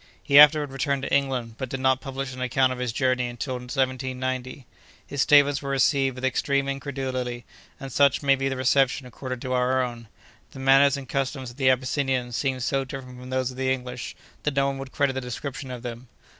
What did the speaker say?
He afterward returned to England, but did not publish an account of his journeys until 1790. His statements were received with extreme incredulity, and such may be the reception accorded to our own. The manners and customs of the Abyssinians seemed so different from those of the English, that no one would credit the description of them.